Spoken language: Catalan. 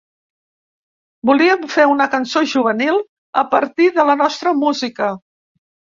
Volíem fer una cançó juvenil a partir de la nostra música.